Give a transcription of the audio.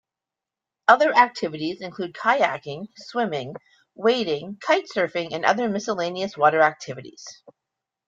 Other activities include kayaking, swimming, wading, kite surfing and other miscellaneous water activities.